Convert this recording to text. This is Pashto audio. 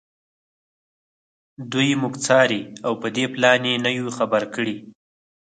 دوی موږ څاري او په دې پلان یې نه یو خبر کړي